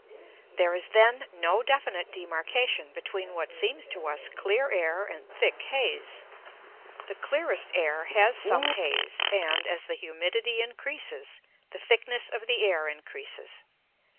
There is, then, no definite demarcation between what seems to us clear air and thick haze. The clearest air has some haze, and, as the humidity increases, the thickness of the air increases.